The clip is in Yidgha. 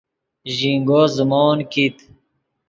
ژینگو زیموت کیت